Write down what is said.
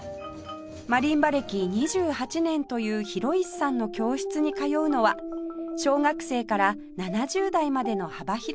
マリンバ歴２８年という廣石さんの教室に通うのは小学生から７０代までの幅広い世代